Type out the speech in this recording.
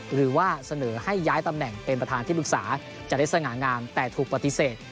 หรือว่าเสนอให้ย้ายตำแหน่งเป็นประธานที่ปรึกษาจะได้สง่างามแต่ถูกปฏิเสธ